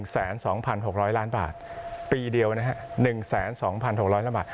๑แสน๒พัน๖ร้อยล้านบาทปีเดียวนะครับ๑แสน๒พัน๖ร้อยล้านบาท